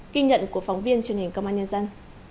ghi nhận của phóng viên truyền hình công an nhân dân